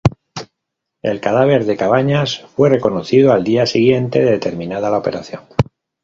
El cadáver de Cabañas fue reconocido al día siguiente de terminada la operación.